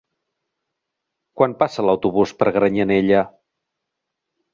Quan passa l'autobús per Granyanella?